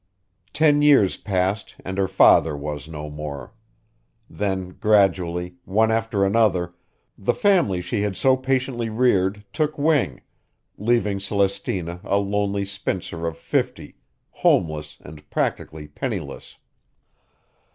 Ten years passed and her father was no more; than gradually, one after another, the family she had so patiently reared took wing, leaving Celestina a lonely spinster of fifty, homeless and practically penniless.